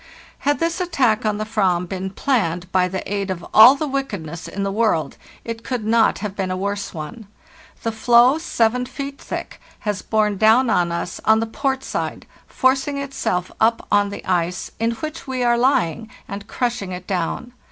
"Had this attack on the /vam been planned by the aid of all the wickedness in the world, it could not have been a worse one. The floe, seven feet thick, has borne down on us on the port side, forcing itself up on the ice, in which we are lying, and crushing it down.